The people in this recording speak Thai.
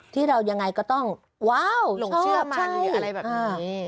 ที่เรายังไงก็ต้องว้าวหลงเชื่อมันอะไรแบบนี้